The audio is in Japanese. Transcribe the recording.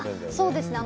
そうですね。